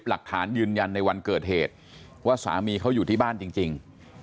หลักฐานยืนยันในวันเกิดเหตุว่าสามีเขาอยู่ที่บ้านจริง